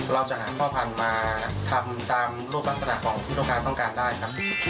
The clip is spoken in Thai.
เราจะหาพ่อพันธุ์มาทำตามรูปลักษณะของที่ต้องการต้องการได้ครับ